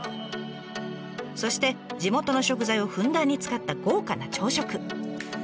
そして地元の食材をふんだんに使った豪華な朝食。